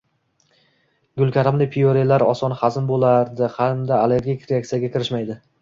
Gulkaramli pyurelar oson hazm bo‘ladi hamda allergik reaksiyaga kirishmaydi